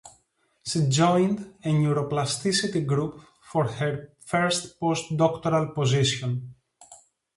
She joined the Neuroplasticity group for her first postdoctoral position.